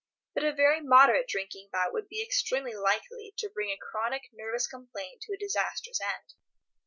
But a very moderate drinking bout would be extremely likely to bring a chronic nervous complaint to a disastrous end.